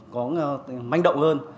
có manh động hơn